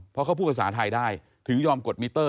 เพราะเขาพูดภาษาไทยได้ถึงยอมกดมิเตอร์